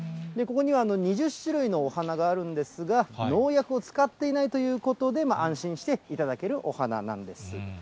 ここには２０種類のお花があるんですが、農薬を使っていないということで、安心して頂けるお花なんです。